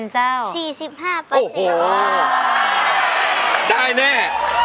ได้แน่